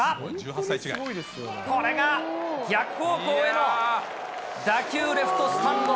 これが逆方向への打球、レフトスタンド。